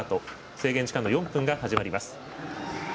制限時間の４分が始まります。